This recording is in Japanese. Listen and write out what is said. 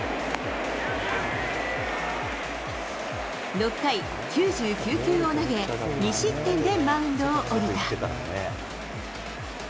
６回、９９球を投げ、２失点でマウンドを降りた。